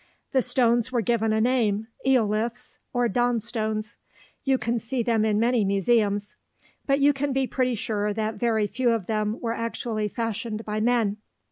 The stones were given a name, eoliths, or "dawn stones." You can see them in many museums; but you can be pretty sure that very few of them were actually fashioned by men.